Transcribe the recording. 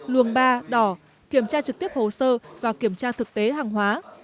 luồng ba đỏ kiểm tra trực tiếp hồ sơ và kiểm tra thực tế hàng hóa